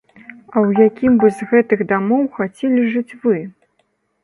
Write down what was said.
А ў якім бы з гэтых дамоў хацелі жыць вы?